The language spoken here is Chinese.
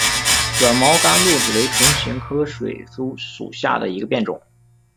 软毛甘露子为唇形科水苏属下的一个变种。